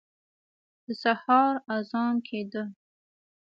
د سهار اذان کېده.